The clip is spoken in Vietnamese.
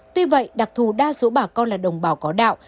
tuy vậy đặc thù đa số bà con là đồng bào có đạo